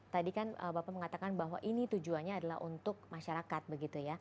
tadi kan bapak mengatakan bahwa ini tujuannya adalah untuk masyarakat begitu ya